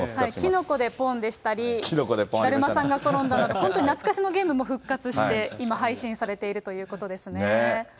キノコでポンでしたり、だるまさんがころんだなど、本当に懐かしのゲームも復活して、今、配信されているということですね。